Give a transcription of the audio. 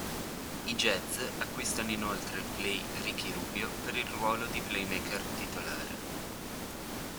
I jazz acquistano inoltre il play Ricky Rubio per il ruolo di playmaker titolare.